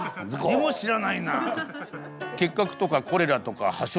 何も知らないな。